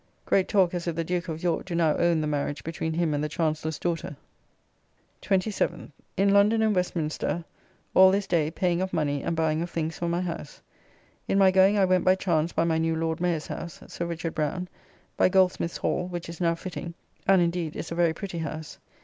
Great talk as if the Duke of York do now own the marriage between him and the Chancellor's daughter. 27th. In London and Westminster all this day paying of money and buying of things for my house. In my going I went by chance by my new Lord Mayor's house (Sir Richard Browne), by Goldsmith's Hall, which is now fitting, and indeed is a very pretty house.